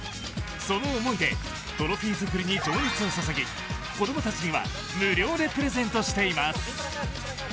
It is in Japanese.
その思いでトロフィー作りに情熱を注ぎ子供たちには無料でプレゼントしています。